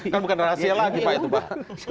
kan bukan rahasia lagi pak itu pak